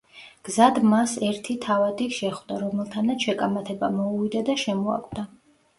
გზად მას ერთი თავადი შეხვდა რომელთანაც შეკამათება მოუვიდა და შემოაკვდა.